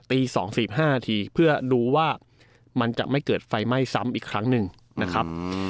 ตี๒๔๕นาทีเพื่อดูว่ามันจะไม่เกิดไฟไหม้ซ้ำอีกครั้งหนึ่งนะครับ